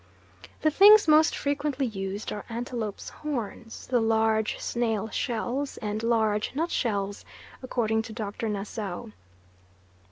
The things most frequently used are antelopes' horns, the large snail shells, and large nutshells, according to Doctor Nassau.